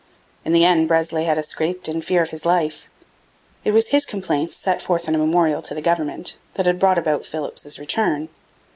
In the end Breslay had escaped in fear of his life. It was his complaints, set forth in a memorial to the government, that had brought about Philipps's return.